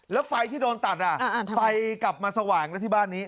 แล้วไฟที่โดนตัดไฟกลับมาสว่างแล้วที่บ้านนี้